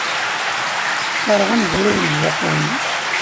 Qqareɣ amezruy n Japun.